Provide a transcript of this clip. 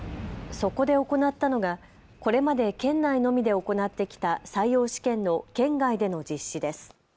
そこで行ったのがこれまで県内のみで行ってきた採用試験の県外での実施です。